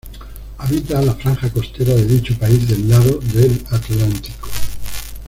Habita la franja costera de dicho país del lado del Atlántico.